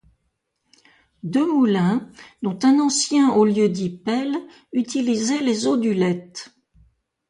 Deux moulins, dont un ancien au lieu-dit Pelle, utilisaient les eaux du Lette.